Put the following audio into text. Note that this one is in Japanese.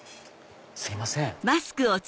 すいません。